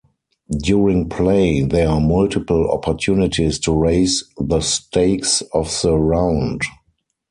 During play, there are multiple opportunities to raise the stakes of the round.